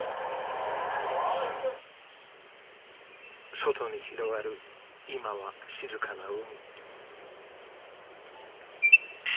「」外に広がる今は静かな海。